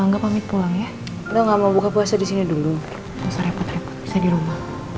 angga pamit pulang ya enggak mau buka puasa di sini dulu masa repot repot bisa di rumah